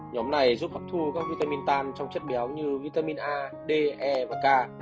nhóm này giúp hấp thu các vitamin tan trong chất béo như vitamin a d e và k